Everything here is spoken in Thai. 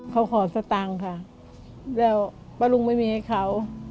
เขาขอสตางค์ค่ะแล้วป้าลุงไม่มีให้เขา